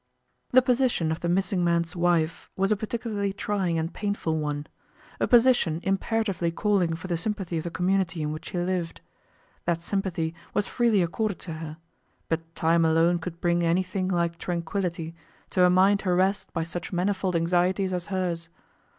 The position of the missing man's wife was a particularly trying and painful one a position imperatively calling for the sympathy of the community in which she lived. That sympathy was freely accorded to her, but time alone could bring any thing like tranquillity to a mind harrassed by such manifold anxieties as hers.